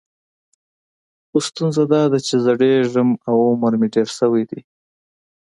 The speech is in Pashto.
خو ستونزه دا ده چې زړیږم او عمر مې ډېر شوی دی.